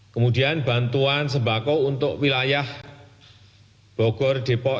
kemudian bantuan sembako untuk wilayah bogor depok